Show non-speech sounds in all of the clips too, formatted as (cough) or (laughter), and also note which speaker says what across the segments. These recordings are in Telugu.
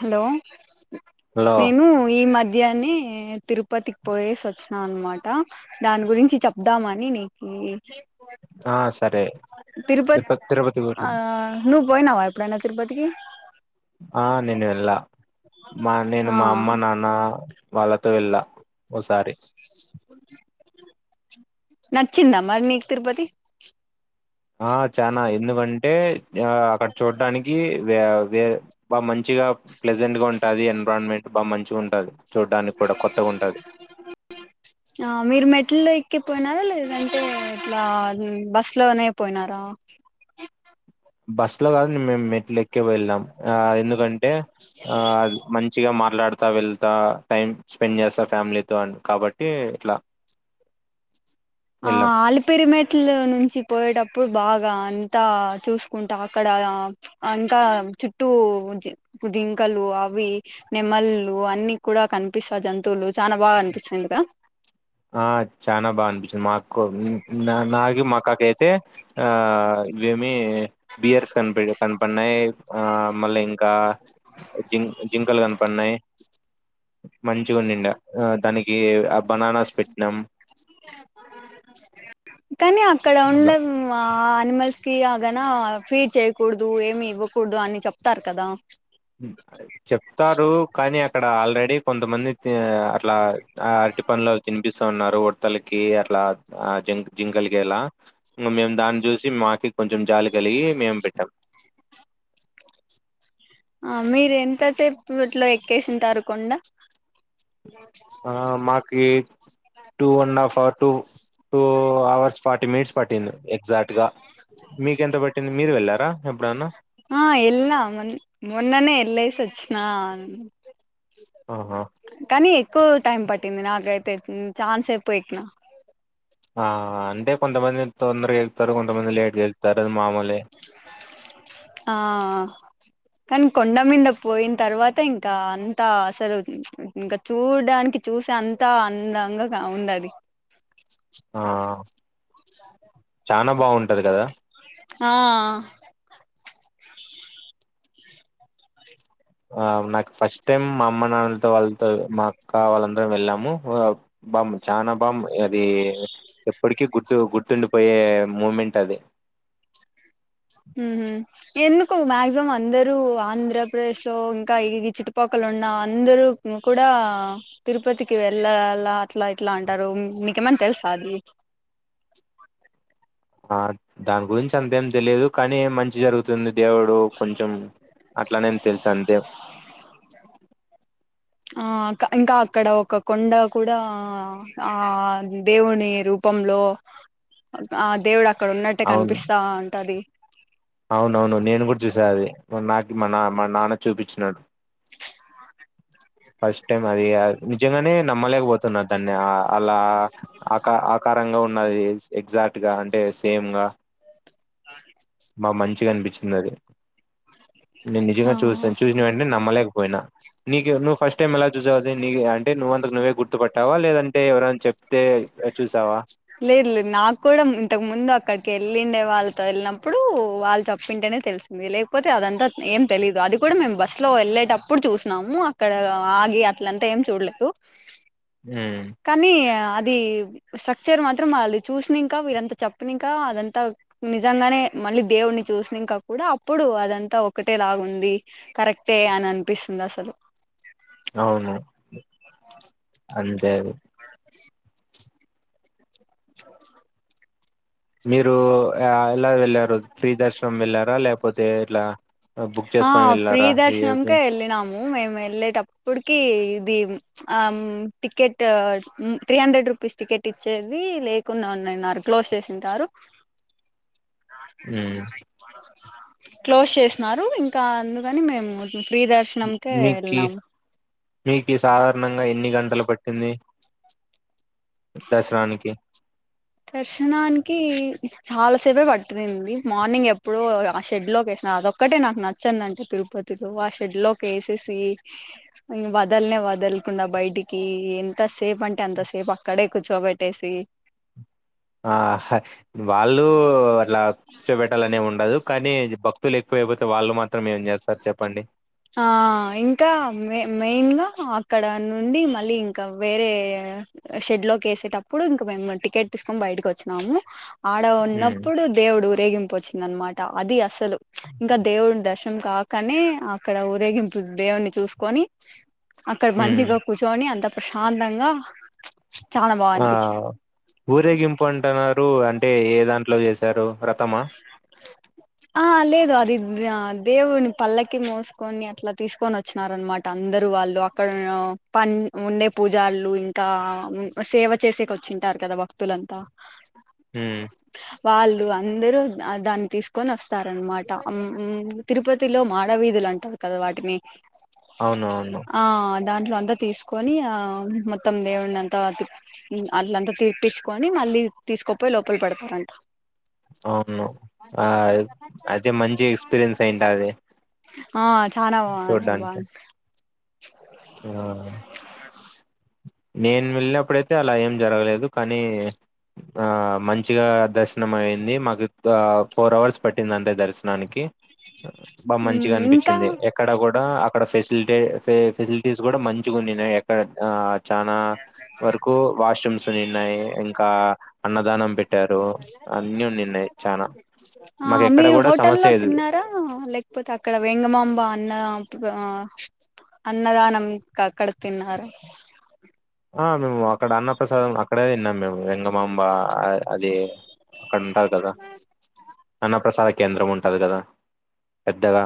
Speaker 1: హలో
Speaker 2: లో
Speaker 1: నేను ఈ మధ్ విద్యానే తిరుపతికి పోయేసి ఒచ్చిన అనమాట దాని గురించి చెప్దామని నీ నీకు
Speaker 2: ఆ సరే
Speaker 1: తిరుపతి
Speaker 2: ఇప్పు తిరుపతి పూరు
Speaker 1: ఆ నువ్వు పోయినావా ఎప్పుడనా తిరుపతికి
Speaker 2: ఆ నేను వెళ్ళా మా నేను
Speaker 1: ఆ
Speaker 2: మా అమ్మ నాన్న వాళ్ళతో ఎళ్ళా ఓసారి
Speaker 1: నచ్చింద మరి నీకు తిరుపతి
Speaker 2: ఆ చనా ఎందుకంటే ఆ అక్కడ చూడ్డానికి వె వె బాగా మంచిగా ప్లెజెంట్ గా ఉంటది ఎన్విరాన్మెంట్ బా మంచిగుంటది
Speaker 1: ఆ మీరు మెట్ల్ ఎకి పోయినారా లేదంటే ఎట్లా ఆ బస్ లోనే పోయినారా
Speaker 2: బస్సులో గాదు మే మేం మెట్ల ఎక్కె వెళ్ళాం ఆ ఎందుకంటే ఆ మంచిగా మాట్లాడుతా వెళ్తా టైం స్పెండ్ జేస్తా ఫ్యామిలీతో అని కాబట్టి ఇట్ల
Speaker 1: ఆ ఆలిపిరిమెట్ల నుంచి పోయేటప్పుడు ఇప్పుడు బాగా అంతా చూసుకుంట అక్కడ అంత చుట్టూ జిం జింకలు అవి నెమళ్లు అన్ని కూడా కనిపిస్తా జంతువులు చానా బాగా అనిపిచినయ్ క
Speaker 2: ఆ చనా బాగా అనిపించింది మాకు నాకి మా కాకి అయితే ఆ వేం మీ బీర్స్ కనిపియ్ కన్పడ్నాయ్ ఆ మళ్ళీ ఇంకా జిం జింకలు కనపడ్నాయ్ మంచిగుండిందా ఏ (unintelligible) పెట్నం
Speaker 1: ఇక్కడ ఉన్న అ మల్స్ కి ఆగన ఫీడ్ చేయ్యకూడదు ఏమి ఇవ్వకూడదు అని చెప్తారు కదా
Speaker 2: ఇక్కడ ఆల్రెడీ కొంతమంది అట్లా ఆ అరటి పనులు తిని చుపిస్త ఉన్నారు ఉడత లకి అట్లా ఆ జిం జింకల్కి ఎలా ఇంగా మేము దాన్ని చూసి మాకి కొంచెం జాలి కలిగి మేము పెట్టాం
Speaker 1: ఆ మీరు ఎంతసేపిట్లో ఎక్కేసింటారు కొండ
Speaker 2: ఆ మా ఏ టూ అండ్ హఫ్ ఆ two two hours forty minutes పట్టింది. ఎగ్జాక్ట్ గా మీక ఎంత పట్టింది మీరు వెళ్ళారా ఎప్పుడన్నా
Speaker 1: ఆ వెళ్ళినా ఆ
Speaker 2: ఆహా
Speaker 1: కానీ ఎక్కువ టైం పట్టింది నాకైతే చాన్స్ అయిపోయికినా
Speaker 2: ఆ కొంతమంది తందరగా వెళ్తారు కొంతమంది లేట్ళ్తే (unintelligible)
Speaker 1: ఆ కానీ కొండ మీంద పోయిన తర్వాత ఇంకా అంత అసలు ఇంకా చూడడానికి చూసే అంత అందంగా ఉంది అది
Speaker 2: ఆ చానా బాగుంటా ఉంటది కదా
Speaker 1: ఆ
Speaker 2: ఆ నాకు ఫస్ట్ టైం మా అమ్మ నాన్నలతో వాళ్ళతో మా అక్క వాళ్ళందర వెళ్ళాము బామ్ చాలా బా అది ఎప్పటికీ గుర్తు గుర్తుండిపోయే మూమెంట్ అది.
Speaker 1: ఉ ఎందుకు మాక్సిమం అందరు ఆంధ్రప్రదేశ్ లో ఇంకా ఇ చుట్టుపక్కల ఉన్న అందరు కూడా తిరుపతికి వెళ్ళాలా అట్లా ఇట్లా అంటారు. మీకేమన్నా తెలుసా అది
Speaker 2: ఆ దాని గురించి అంతేం తెలియదు కానీం మంచి జరుగుతుంది. దేవుడు కొంచెం అట్లానేం తెలుసు అంతే
Speaker 1: ఆ ఇంకా అక్కడ ఒక కొండ కూడా ఆ దేవుని రూపంలో ఆ దేవుడు అ అక్కడ ఉన్నట్టే
Speaker 2: అవును
Speaker 1: కనిపిస్తా ఉంటది.
Speaker 2: మా నాకి మా నా మా నాన్న చూపించినాడు ఫస్ట్ టైం అది నిజంగానే నమ్మలేక పోతాం స్తున్న దాన్ని అలా ఆక ఆకారంగా ఉన్నది ఎగ్జాక్ట్ గా అంటే సేమ్ గా
Speaker 1: ఆ
Speaker 2: బా మంచిగా అనిపించింది అది నేను నిజంగా
Speaker 1: ఆ
Speaker 2: చూసాను చూసిన వెంటే నమ్మలేకపోయినా నీ నువ్ ఫస్ట్ టైమ్ ఎలా చూ అంటే నువ్వుంతకు నువ్వే గుర్తుపట్టావా లేదంటే ఎవ అని చెప్పి
Speaker 1: లేర్లే నా కూడా ఇంతకు ముందు అక్కడకి ఎల్ ళండే వాళ్ళతో వెళ్ళినప్పుడు వాళ్ళు తప్పింటేనే తెలిసింది లేకపోతే అదంతా ఏం తెలిదు అది కూడా మేము బస్సు లో వెళ్ళేటప్పుడు చూసినాము అక్కడ ఆగి అట్లంతా ఏం చూడలేదు
Speaker 2: ఉమ్
Speaker 1: కానీ అది అది స్ట్రక్చర్ మాత్రం అది చూసినాంకా వీరంతా చెప్పినకా అదంతా నిజంగానే మళ్ళీ దేవుడిని చూసినాంకా కూడా అప్పుడు అదంతా ఒకటే లాగు ఉంది కరెక్టే అని అనిపిస్తుంది అసలు
Speaker 2: అవును అంతే మీరు ఆ ఎలా వెళ్ళరు శ్రీ దర్శనం వెళ్లారా లేకపోతే అ ఇట్లా బుక్
Speaker 1: ఆ
Speaker 2: చేసుకొని
Speaker 1: ఫ్రీ
Speaker 2: వెళ్ళారా
Speaker 1: దర్శనం
Speaker 2: విఐపి
Speaker 1: క వెళ్ళ నాం మేము వెళ్ళేటప్పుటికి ఇది ticket three hundred rupees ticket ఇచ్చేది లేకున్నా క్లోజ్ చేంటారు
Speaker 2: హ్మ్
Speaker 1: చాలా క్లోస్ ఎస్ న్నారు ఇంకా అందుకని మేము దర్శనంకే
Speaker 2: మీకు
Speaker 1: వెళ్ళినాము
Speaker 2: మీకు సాధారణంగా ఎన్ని గంటలు పట్టింది దసరానికి
Speaker 1: దర్శనానికి చాలా సేపే పట్ంది మార్నింగ్ ఎప్పుడో ఆ షెడ్ లోకి వేసిన అదొక్కటే నాకు నచ్చిందంటే తిరుపతిలో ఆ షెడ్ లోకి వేసేసి వదల్నే వదలకుండా బయటికి ఎంత సేపు అంటే అంత సేపు అక్కడే కూచోబెట్టేసి
Speaker 2: ఆ వాళ్ళు అట్లా కూర్చోపెట్టాలనే ఉండదు కానీ భక్తులు ఎక్కువయిపోతే వాళ్ళు మాత్రం ఏం చేస్తారు చెప్పండి
Speaker 1: ఆ ఇంకా మెయిన్గా అక్కడ నుండి మళ్ళీ ఇంకా వేరే షెడ్ లోకి వేసేటప్పుడు ఇంకా మేము టికెట్ తీసుకొని బయటకి వచ్చినాము ఆడ
Speaker 2: హ్మ్
Speaker 1: ఉన్నప్పుడు దేవుడు ఊ రేగిం వచ్చింద అనమాట అది అ సలు ఇంకా దేవుడు ఉండే కాకనే అక్కడ ఊరేగింపు దేవున్ని చూసుకొని అక్కడ
Speaker 2: హ్మ్
Speaker 1: మంచిగా కూర్చొని అంత ప్రశాంతంగా చాలా బాగా
Speaker 2: ఆ
Speaker 1: అనిపించింది
Speaker 2: ఊరేగింపు అంటానారు అన్ అంటే ఏ దాంట్లో చేసారు.
Speaker 1: ఆ లేదు అది ది దేవుడిని పళ్లకి మోసుకొని అట్లా తీసుకొని వచ్చినార అనమాట. అందరు వాళ్ళు అక్కడ పని ఉండే పూజలు ఇంకా సేవ చేసేకి వచ్చింటారు. కదా భక్తులంతా.
Speaker 2: హుమ్
Speaker 1: వాళ్ళు అన్ అందరు దాన్ని తీసుకొని వస్తారనమాట అమ్ తిరుపతిలో మాడవీధులు అంటారు కదా వాటిని.
Speaker 2: అవునవును
Speaker 1: ఆ దాంట్లో అంతా తీసుకొని ఆ మొత్తం దేవుడిని అంతా అట్లంతా తీప్పించుకని మళ్ళీ తీసుకోపోయి, లోపల పెడతారంట.
Speaker 2: అవును ఆ అదే మంచి ఎక్స్పీరియన్స్ అయింటది
Speaker 1: ఆ చానా బన్
Speaker 2: చూడ్డానికి
Speaker 1: బాన్
Speaker 2: ఆ నేను వెళ్ళినప్పుడయితే అలా ఏం జరగలేదు. కానీ ఆ మంచిగా దర్శనం అయింది మాకు. ఫోర్ అవర్స్ పట్టింది అంతే దర్శనానికి. బా మంచిగా
Speaker 1: ఇంకా
Speaker 2: అనిపించింది ఎక్కడ కూడా అక్కడ ఫెసిలిటీ ఫెసిల్ టీ తీసు కూడా మంచిగఉంది ఎక్కడ ఆ చానా వరకు వాష్రూమ్స్ నిన్నాయి ఇంకా అన్నదానం పెట్టారు అన్ని నిన్నాయి చానా
Speaker 1: ఆ
Speaker 2: మాకు ఎక్కడ
Speaker 1: మీరు
Speaker 2: కూడా
Speaker 1: హోటల్లో
Speaker 2: సమస్య లేదు
Speaker 1: తిన్నారా లేకపోతే అక్కడ వేంగమాంబ అన్న అన్నదానమ్ క కడ తిన్నార
Speaker 2: ఆ మేము అక్కడ అన్న ప్ర్రసాదం అక్కడే తిన్నాం మేము వేంగమాంబ అది అక్కడ ఉంటారు కదా అన్నప్రసాద కేంద్రం ఉంటుంది కాదు కదా పెద్దగా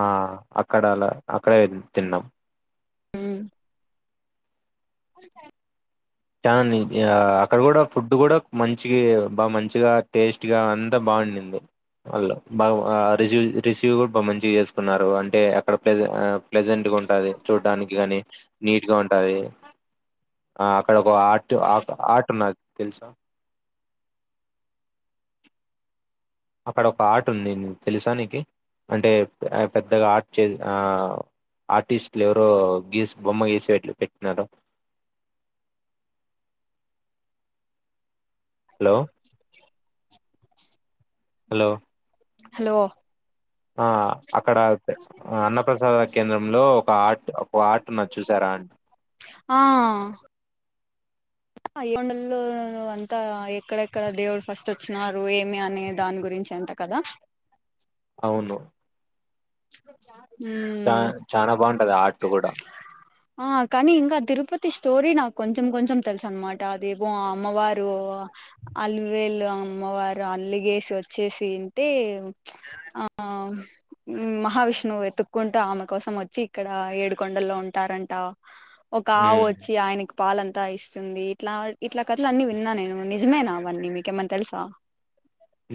Speaker 2: ఆ అక్కడ అలా అక్కడే తిన్నాం
Speaker 1: హుమ్ అ సా
Speaker 2: చాల అక్కడ కూడా ఫుడ్ కూడా మంచి బాగా మంచిగా టేస్ట్గా అంతా బాగుండింది. వాళ్ళు బా రిసి వ్ రిసీవ్ కూడా బాగా మంచిగా చేసుకున్నారు. అంటే అక్కడ ప్లే ప్రెజెంట్ గా ఉంటది చూడ్డానికి కానీ నీట్ గా ఉం సరే ఆ ఒక ఆర్ట్ ఆక్ ఆట్ నాకు తెలుసా అక్కడ ఒక ఆర్ట్ ఉంది. తెలుసా నికి. అంటే పెద్దగా ఆర్ట్ చే ఆ ఆర్టిస్ట్లు ఎవరో, గీసి బొమ్మ గీసి పెట్ పెట్టినారు. హలో హలో
Speaker 1: హలో
Speaker 2: ఆ అక్కడ అన్నప్రసాద కేంద్రంలో, ఒక ఆర్ట్ ఒక ఆర్ట్ ఉన్నాది చూసారా అండి.
Speaker 1: అయోండల్లో అంతా ఎక్కడెక్కడ దేవుడు ఫస్ట్ వచ్చినారు ఏమి అనే దాని గురించి అంత కదా.
Speaker 2: అవును
Speaker 1: ఇ ఆర్ట్
Speaker 2: చాన చనా బాగుంటది ఆ ఆర్ట్ కూడా
Speaker 1: ఆ కానీ ఇంకా తిరుపతి స్టోరీ నాకు కొంచెం కొంచెం తెలుసు అనమాట అదేమో ఆ అమ్మవారు అల్వేలు అమ్మవారు అల్లిగేసి వచ్చేసింటే ఆ మ్మ్ మహావిష్ణువు వెతుక్కుంటూ ఆమె కోసం వచ్చి ఇక్కడ ఏడుకొండల్లో ఉంటారంట ఒక ఆవు
Speaker 2: ఉమ్
Speaker 1: వచ్చి ఆయనకు పాలంతా ఇస్తుంది ఇట్లా ఇట్లా కథలు అన్నీ విన్నా నేను నిజమేనా అవన్నీ మీకేమన్నా తెలుసా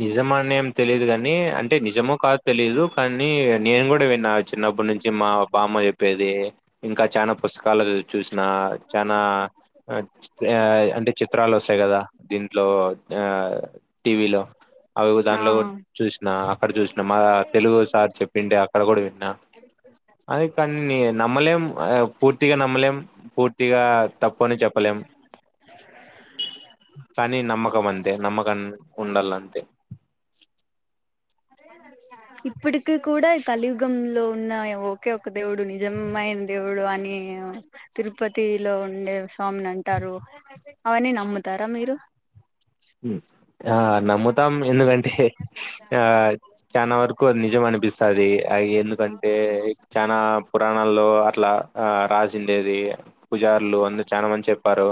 Speaker 2: నిజమనేం తెలీదుగా ని అంటే నిజమో కాదు తెలీదు కానీ నేను కూడా విన్నా (inaudible) చిన్నప్పుడు నుంచి మా బామ్మ చెప్పేది ఇంకా చానా పుస్తకాల్లో చూస్ నా చానా (unintelligible) అంటే చిత్రాలు వస్తాయి కదా దీంట్లో ఆ టీవీలో అవి
Speaker 1: ఆ
Speaker 2: దానిలో చూసినా అక్కడ చూసిన మా తెలుగు సార్ చెప్పింటే అక్కడ కూడా విన్నా అది కాని నమ్మలేం పూర్తిగా నమ్మలేం పూర్తిగా తప్పు (unintelligible) కొని చెప్పలేం కానీ నమ్మకం అంతే నమ్మకం ఉండాలం
Speaker 1: ఇప్పటికి కూడా కలియుగంలో ఉన్న ఒక ఒక దేవుడు నిజమైన దేవుడు అని తిరుపతిలో ఉండే స్వామిని అంటారు అవన్నీ నమ్ముతారా మీరు
Speaker 2: ఆ నమ్ముతాం ఎందుకంటే ఆ చనా వరకు అది నిజం అనిపిస్తాది అ ఎందుకంటే చనా పురాణాల్లో అట్లా రాసి ఉండేది పుజారులు అందరు చానా మంది చెప్పారు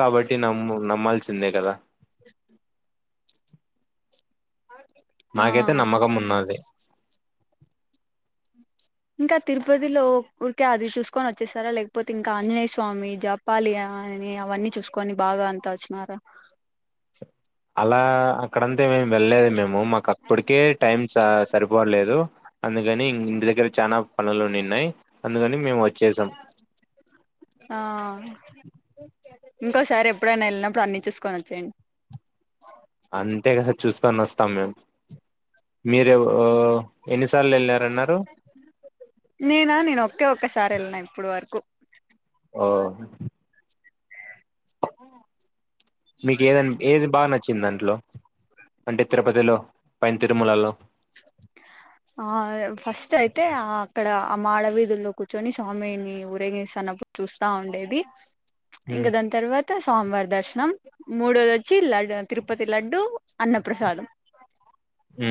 Speaker 2: కాబట్టి నమ్ము నమ్మాల్సి తే కదా
Speaker 1: స ఆ
Speaker 2: నాకైతే నమ్మకం ఉన్నాది
Speaker 1: ఇంకా తిరుపతిలో ఊరికే అది చూసుకొని వచ్చేస్తారా లేకపోతే ఇంకా ఆంజనేయ స్వామి జపాలి (unintelligible) అని అవన్నీ చూసుకొని బాగా అంతా వచ్చినారా
Speaker 2: అలా అక్కడంతే మేము వెళ్లేది మేము మో మాకుప్పుటికే టైమ్ సరిపోట్లేదు అందుక గాని (unintelligible) (unintelligible) దగ్గర చానా పనులునిన్ పి అందుకని మేము వ (unintelligible)
Speaker 1: ఆ ఇంకోసారి ఎప్పుడైనా వెళ్ళినప్పుడు అన్ని చూసుకోనొచ్చేయండి
Speaker 2: అంతే కదా చూసుకొని వస్తాం మేము మీరె (unintelligible)
Speaker 1: నేనా నేను ఒకే ఒక్కసారి వెళ్ళినా ఇప్పుడు వరకు
Speaker 2: ఓ
Speaker 1: ఆ (unintelligible)
Speaker 2: మీకు ఏదన్ ఏది బాగా నచ్చిందన్ టైంలో అంటే తిరుపతిలో పైన తిరుమలలో
Speaker 1: ఆ ఫస్ట్ అయితే అక్కడ ఆ మాడ వీధుల్లో కూర్చొని స్వామిని ఊరేగిస్తున్నప్పుడు చూస్తా ఉండేది ఇంగ
Speaker 2: ఉమ్
Speaker 1: దాని తర్వాత స్వామివారి దర్శ్ మూడోది వచ్చి లడ్ తిరుపతి లడ్డు అన్నప్రసాదం
Speaker 2: హు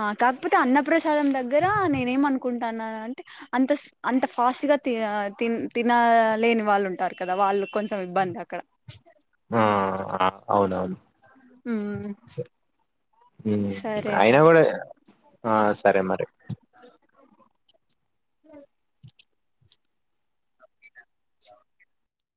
Speaker 1: ఆ కాకపోతే అన్నప్రసాదం దగ్గర నేనే ఏమనుకుంటాన్నా అంటే అంత అంత ఫాస్ట్ గా తి తినలేని వాళ్ళు ఉంటారు కదా వాళ్ళు కొంచెం ఇబ్బంది అక్కడ
Speaker 2: ఆ అవునవును
Speaker 1: హ్మ్
Speaker 2: అయినా కూడా ఆ సరే మరి
Speaker 1: హ్మ్